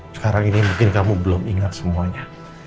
sekarang ini mungkin kamu belum ingat semuanya